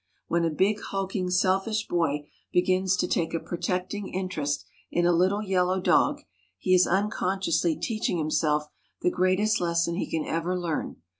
When a big, hulking, selfish boy begins to take a protecting interest in a little yellow dog he is unconsciously teaching himself the greatest lesson he can ever learn.